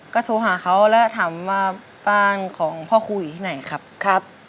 ก็โทรหาเขาแล้วถามว่าบ้านของพ่อครูอยู่ที่ไหนครับครับ